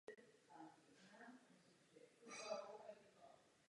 Některá čísla si lze přečíst a stáhnout na webu města.